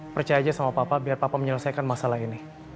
percaya aja sama papa biar papa menyelesaikan masalah ini